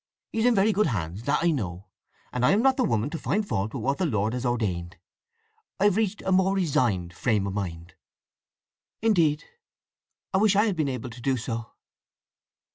He's in very good hands, that I know; and I am not the woman to find fault with what the Lord has ordained. I've reached a more resigned frame of mind." "Indeed! I wish I had been able to do so."